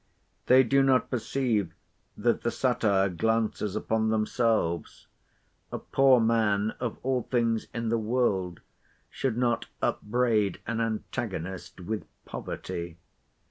They do not perceive that the satire glances upon themselves. A poor man, of all things in the world, should not upbraid an antagonist with poverty.